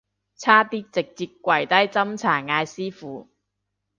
差啲直接跪低斟茶嗌師父